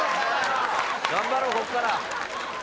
頑張ろうここから。